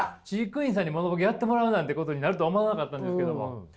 飼育員さんにモノボケやってもらうなんてことになるとは思わなかったんですけども。